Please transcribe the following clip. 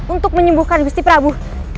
untuk menyembuhkan gusti prabu